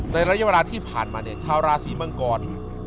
ระยะเวลาที่ผ่านมาเนี่ยชาวราศีมังกร